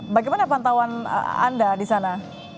bagaimana pantauan anda di sana